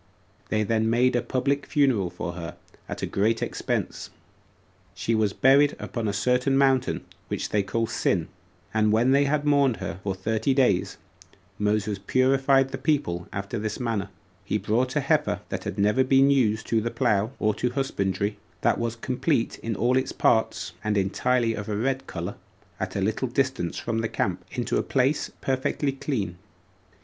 They then made a public funeral for her, at a great expense. She was buried upon a certain mountain, which they call Sin: and when they had mourned for her thirty days, Moses purified the people after this manner: He brought a heifer that had never been used to the plough or to husbandry, that was complete in all its parts, and entirely of a red color, at a little distance from the camp, into a place perfectly clean.